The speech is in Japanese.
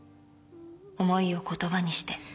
［思いを言葉にして］